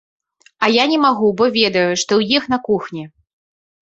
А я не магу бо ведаю, што ў іх на кухні.